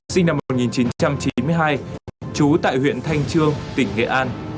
sinh năm một nghìn chín trăm chín mươi hai trú tại huyện thanh trương tỉnh nghệ an